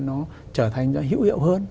nó trở thành hiệu hiệu hơn